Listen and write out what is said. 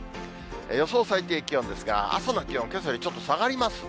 予想最低気温ですが、朝の気温、けさよりちょっと下がりますね。